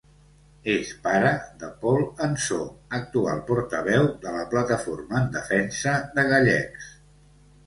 És pare de Pol Ansó, actual portaveu de la Plataforma en Defensa de Gallecs.